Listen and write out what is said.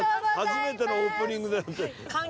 初めてのオープニングだよ。